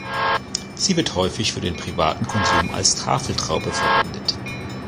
Sie wird häufig für den privaten Konsum als Tafeltraube verwendet.